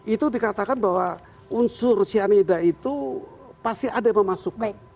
itu dikatakan bahwa unsur cyanida itu pasti ada yang memasuk